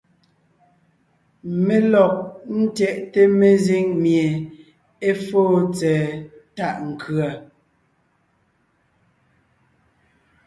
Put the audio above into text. Mé lɔg ńtyɛʼte mezíŋ mie é fóo tsɛ̀ɛ tàʼ nkʉ̀a.